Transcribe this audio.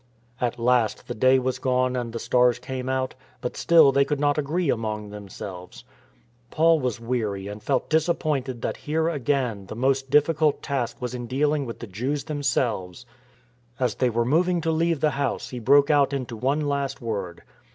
At last the day was gone and the stars came out, but still they could not agree among themselves. Paul was weary and felt disappointed that here again his most difficult task was in dealing with the Jews themselves. As they were moving to leave the house he broke out into one last word.